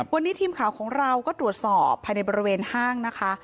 วันนี้ทีมข่าวของเราก็ตรวจสอบภายในบริเวณห้างนะคะ